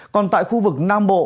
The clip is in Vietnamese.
còn tại khu vực nam bộ